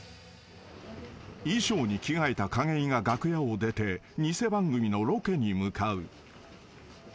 ［衣装に着替えた景井が楽屋を出て偽番組のロケに向かう］